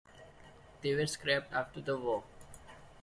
They were scrapped after the war.